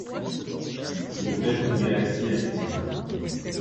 C'est peut-être une galaxie active.